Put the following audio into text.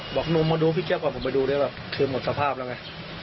บอกนุมมาดูพิเศษก่อนผมไปดูเรียกว่าคือหมดสภาพแล้วไง